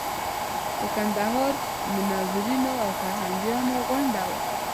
د کندهار منورینو او فرهنګپالو غونډه وه.